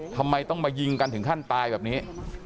ทำไมต้องมายิงกันถึงขั้นตายแบบนี้